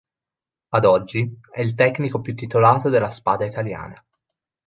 Ad oggi, è il tecnico più titolato della spada italiana.